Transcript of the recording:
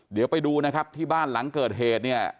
เดี๋ยวไปดูนะครับที่บ้านหลังเกิดเหตุเนี่ย